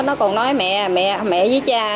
nó còn nói mẹ với cha